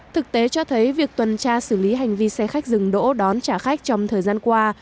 thực tế cho thấy việc tuần tra xử lý hành vi xe khách dừng đỗ đón trả khách trong thời gian qua